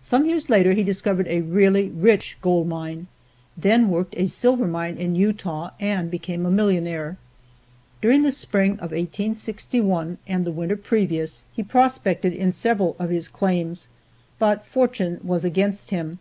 Some years later he discovered a really rich gold mine, then worked a silver mine in Utah and became a millionaire. During the spring of 1861 and the winter previous, he prospected in several of his claims, but fortune was against him.